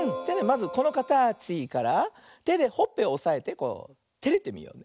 まずこのかたちからてでほっぺをおさえてテレてみよう。